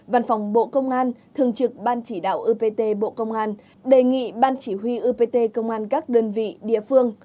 văn phòng bộ công an thường trực ban chỉ đạo upt bộ công an đề nghị ban chỉ huy upt công an các đơn vị địa phương